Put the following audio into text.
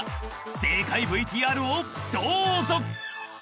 ［正解ＶＴＲをどうぞ］